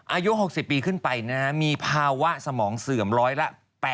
อายุ๖๐ปีขึ้นไปมีภาวะสมองเสื่อมร้อยละ๘๐